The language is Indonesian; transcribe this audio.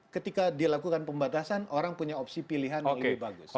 ketika dilakukan pembatasan orang punya opsi pilihan yang lebih bagus